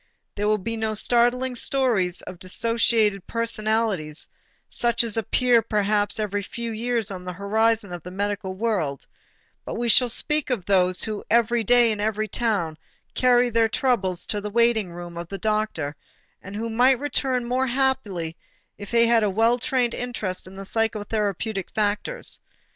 There will be no startling stories of dissociated personalities, such as appear perhaps every few years on the horizon of the medical world, but we shall speak of those who every day in every town carry their trouble to the waiting room of the doctor and who might return more happily if he had more well trained interest in the psychotherapeutic factors.